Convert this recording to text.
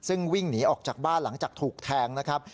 ซึ่งวิ่งหนีออกจากบ้านหลังจากถูกแทงนะครับ